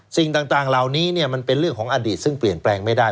สิ่งต่างเหล่านี้มันเป็นเรื่องของอดีตซึ่งเปลี่ยนแปลงไม่ได้